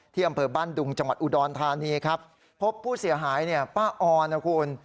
อำเภอบ้านดุงจังหวัดอุดรธานีครับพบผู้เสียหายเนี่ยป้าออนนะคุณ